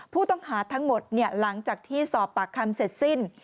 ผู้ต้องหาทั้งหมดหลังจากที่สอบปากคำเสร็จสิ้น